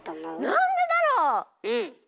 なんでだろう